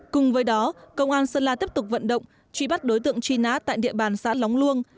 cùng với đó công an sơn la tiếp tục vận động truy bắt đối tượng truy nát tại địa bàn xã lóng luông